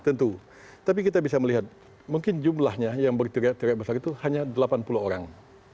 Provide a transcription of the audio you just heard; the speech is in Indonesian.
tentu tapi kita bisa melihat mungkin jumlahnya yang berteriak teriak besar itu hanya delapan puluh orang